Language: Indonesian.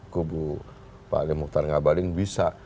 kubu pak ali mukhtar ngabalin bisa